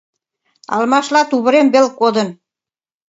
Алмашла тувырем вел кодын.